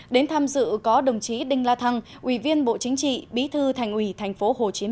đến tham dự có đồng chí đinh la thăng ủy viên bộ chính trị bí thư thành ủy tp hcm